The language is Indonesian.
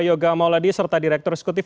yoga mauladi serta direktur eksekutif